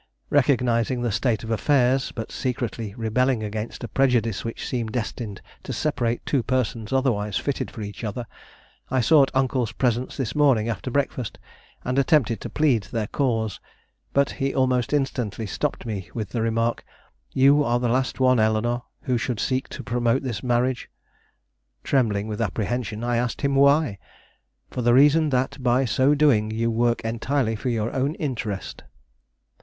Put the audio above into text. Recognizing the state of affairs, but secretly rebelling against a prejudice which seemed destined to separate two persons otherwise fitted for each other, I sought Uncle's presence this morning after breakfast, and attempted to plead their cause. But he almost instantly stopped me with the remark, 'You are the last one, Eleanore, who should seek to promote this marriage.' Trembling with apprehension, I asked him why. 'For the reason that by so doing you work entirely for your own interest.